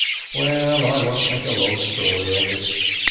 Well, I won't make a long story of it.